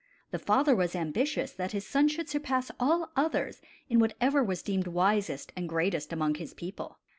The father was ambitious that his son should surpass all others in whatever was deemed wisest and greatest among his people.